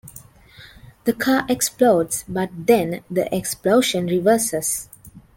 The car explodes, but then the explosion reverses.